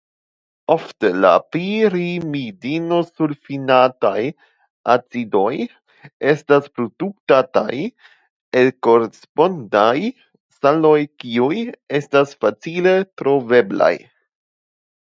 Ofte la pirimidinosulfinataj acidoj estas produktataj el la korespondaj saloj kiuj estas facile troveblaj.